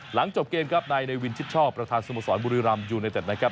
หลังจบเกมครับนายในวินชิดชอบประธานสมสรบุรีรำยูเนเต็ดนะครับ